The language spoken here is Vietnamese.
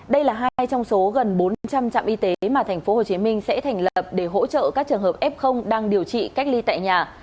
đây là hai trong số gần bốn trăm linh trạm y tế mà tp hcm sẽ thành lập để hỗ trợ các trường hợp f đang điều trị cách ly tại nhà